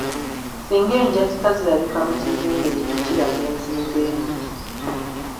Singa enjatika zirabika mu kizimbe ekyo kiraga enzimba embi.